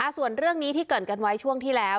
ส่วนเรื่องนี้ที่เกิดกันไว้ช่วงที่แล้ว